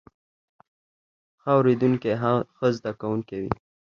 ښه اوریدونکی ښه زده کوونکی وي